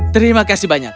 terima kasih banyak